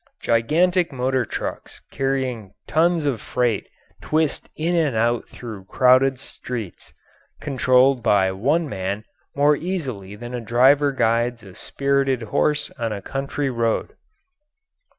Gigantic motor trucks carrying tons of freight twist in and out through crowded streets, controlled by one man more easily than a driver guides a spirited horse on a country road.